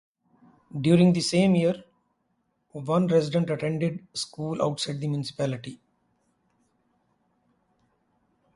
During the same year, one resident attended school outside the municipality.